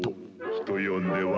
人呼んで笑